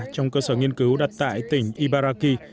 trong cơ sở nghiên cứu đặt tại tỉnh ibaraki